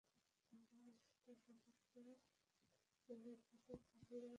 ওর বাবার সাথে চড়কের মেলায় যেতে ও খুব ভালোবাসে।